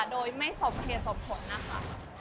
โดยไม่สมเหตุสมผลนะคะ